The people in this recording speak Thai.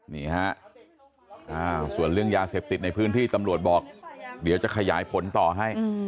นี่ฮะส่วนเรื่องยาเสพติดในพื้นที่ตำรวจบอกเดี๋ยวจะขยายผลต่อให้